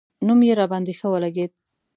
نوم یې راباندې ښه ولګېد.